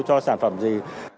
cho sản phẩm gì